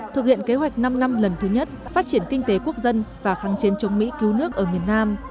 thực hiện kế hoạch năm năm lần thứ nhất phát triển kinh tế quốc dân và kháng chiến chống mỹ cứu nước ở miền nam